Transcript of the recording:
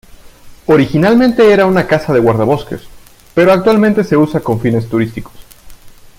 Originalmente era una casa de guardabosques, pero actualmente se usa con fines turísticos.